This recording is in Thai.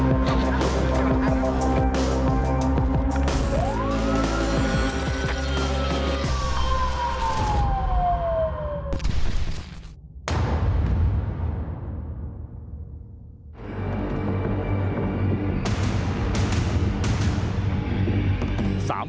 สวัสดีครับ